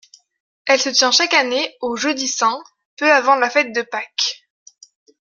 Elle se tient chaque année au jeudi saint, peu avant la fête de Pâques.